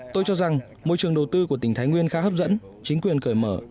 tôi cho rằng môi trường đầu tư của tỉnh thái nguyên khá hấp dẫn chính quyền cởi mở